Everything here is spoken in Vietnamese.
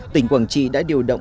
tỉnh quảng trị đã điều đều